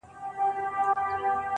او زیاتوي چي د انارشۍ په میدان کي